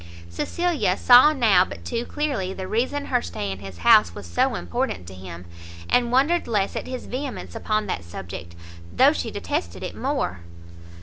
Cecilia saw now but too clearly the reason her stay in his house was so important to him; and wondered less at his vehemence upon that subject, though she detested it more.